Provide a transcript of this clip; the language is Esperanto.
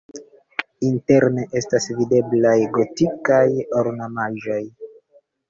Interne estas videblaj gotikaj ornamaĵoj.